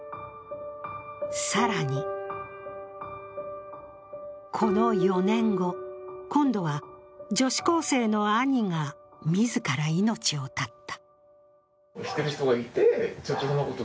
更にこの４年後、今度は女子高生の兄が自ら命を絶った。